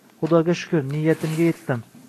Xudoga shukr, niyatimga etdim